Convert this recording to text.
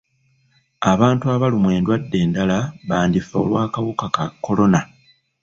Abantu abalumwa endwadde endala bandifa olw'akawuka ka kolona.